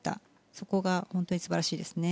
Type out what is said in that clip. そこが本当に素晴らしいですね。